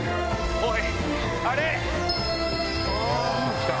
おい！